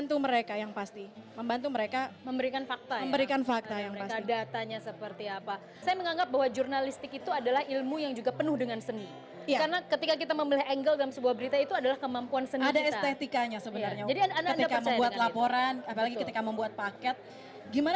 dengan bertambahnya usia kita harapkan bahwa